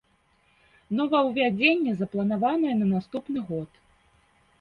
Новаўвядзенне запланаванае на наступны год.